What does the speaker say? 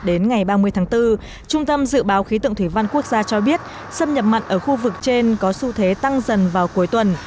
đến ngày ba mươi tháng bốn trung tâm dự báo khí tượng thủy văn quốc gia cho biết xâm nhập mặn ở khu vực trên có xu thế tăng dần vào cuối tuần